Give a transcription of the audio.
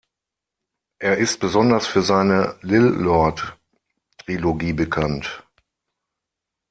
Er ist besonders für seine "Lillelord"-Trilogie bekannt.